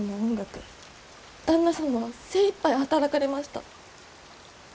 旦那様は精いっぱい働かれました。